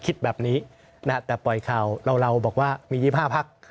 คิดแบบนี้แต่ปล่อยข่าวเราบอกว่ามี๒๕พัก